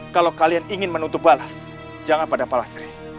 kalau kalian ingin menuntut balas jangan pada pak lastri